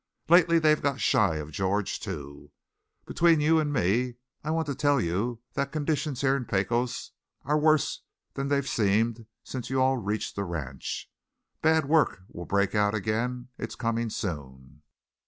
Lately they've got shy of George, too. Between you and me I want to tell you that conditions here in Pecos are worse than they've seemed since you all reached the ranch. But bad work will break out again it's coming soon.